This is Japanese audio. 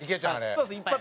そうです一発。